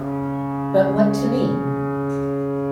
But what to me?